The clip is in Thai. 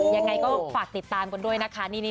ยังไงก็ฝากติดตามกันด้วยนะคะ